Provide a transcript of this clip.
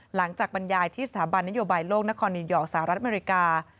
บรรยายที่สถาบันนโยบายโลกนครนิวยอร์กสหรัฐอเมริกา